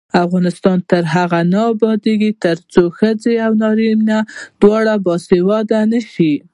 افغانستان تر هغو نه ابادیږي، ترڅو ښځینه او نارینه دواړه باسواده نشي.